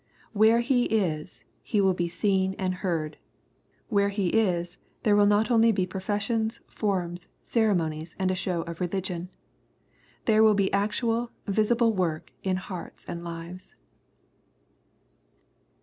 Where He is. He will be seen and heard. Where He is, there will not only be profession, forms, ceremonies, and a show of religion. There will be actual, visible work in hearts and lives.